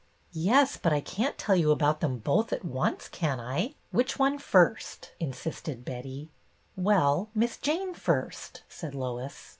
"Yes, but I can't tell you about them both at once, can I ? Which one first ?" insisted Betty. "Well, Miss Jane first," said Lois.